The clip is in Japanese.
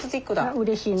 うれしいな。